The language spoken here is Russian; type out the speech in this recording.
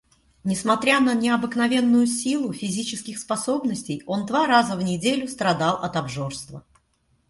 Несмотря на необыкновенную силу физических способностей, он раза два в неделю страдал от обжорства.